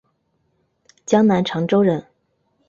江南长洲人。